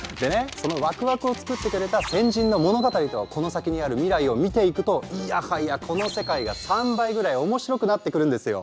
そのワクワクを作ってくれた先人の物語とこの先にある未来を見ていくといやはやこの世界が３倍ぐらい面白くなってくるんですよ！